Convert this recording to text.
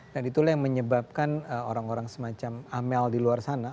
dan itulah yang menyebabkan orang orang semacam amel di luar sana